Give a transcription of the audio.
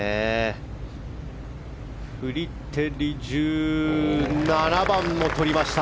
フリテリ、１７番もとりました。